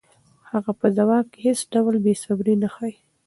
هغه په ځواب کې هېڅ ډول بېصبري نه ښيي.